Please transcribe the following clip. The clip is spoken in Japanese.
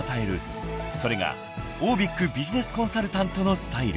［それがオービックビジネスコンサルタントのスタイル］